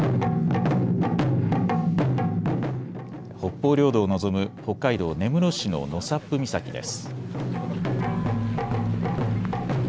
北方領土を望む北海道根室市の納沙布岬です。